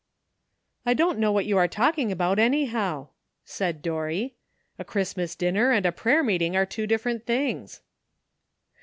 "I don't know what you are talking about, anyhow," said Dorry. "A Christmas dinner and a prayer meeting are two different things."